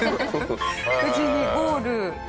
無事にゴール。